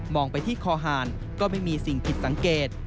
ไปที่คอหารก็ไม่มีสิ่งผิดสังเกต